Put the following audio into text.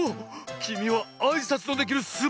きみはあいさつのできるすばらしいこだ！